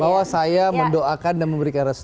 bahwa saya mendoakan dan memberikan restu